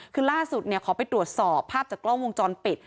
คือล่าสุดขอไปตรวจสอบภาพจากกล้องวงจรปิด